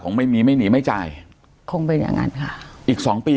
ไม่มีไม่หนีไม่จ่ายคงเป็นอย่างงั้นค่ะอีกสองปี